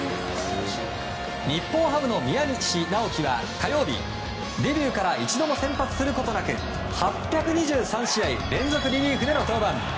日本ハムの宮西尚生は火曜日デビューから一度も先発することなく８２３試合連続リリーフでの登板。